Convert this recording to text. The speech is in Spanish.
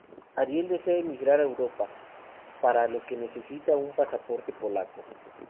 Ariel desea emigrar a Europa, para lo que necesita un pasaporte polaco.